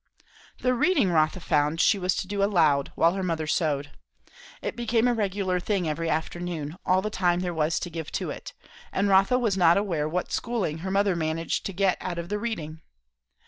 The reading, Rotha found, she was to do aloud, while her mother sewed. It became a regular thing every afternoon, all the time there was to give to it; and Rotha was not aware what schooling her mother managed to get out of the reading.